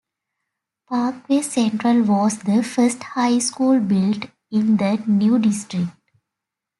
Parkway Central was the first high school built in the new district.